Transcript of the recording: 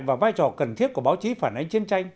và vai trò cần thiết của báo chí phản ánh chiến tranh